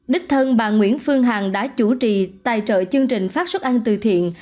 đích thân bà nguyễn phương hằng đã chủ trì tài trợ chương trình phát suất ăn từ thiện